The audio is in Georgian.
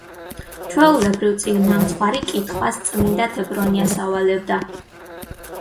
ჩვეულებრივ, წინამძღვარი კითხვას წმინდა თებრონიას ავალებდა.